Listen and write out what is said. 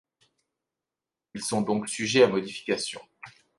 Ils sont donc sujet à modification.